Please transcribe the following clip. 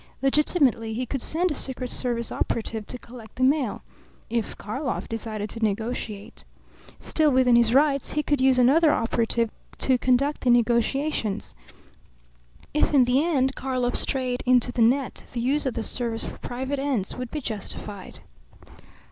Legitimately he could send a secret service operative to collect the mail if Karlov decided to negotiate. Still within his rights, he could use another operative to conduct the negotiations. If in the end Karlov strayed into the net the use of the service for private ends would be justified.